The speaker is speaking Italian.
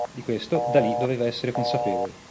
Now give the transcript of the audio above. Di questo Dalí doveva essere consapevole.